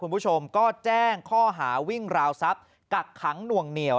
คุณผู้ชมก็แจ้งข้อหาวิ่งราวทรัพย์กักขังหน่วงเหนียว